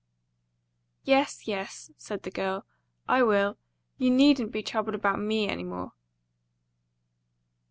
"Yes, yes," said the girl; "I will. You needn't be troubled about me any more."